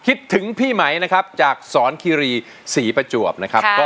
คิดถึงพี่ไหมนะครับจากสอนคิรีศรีประจวบนะครับ